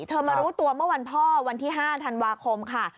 มารู้ตัวเมื่อวันพ่อวันที่๕ธันวาคมค่ะ